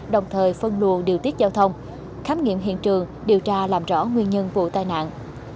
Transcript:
đồng thời phân luồng điều tiết giao thông khám nghiệm hiện trường điều tra làm rõ nguyên nhân vụ tai nạn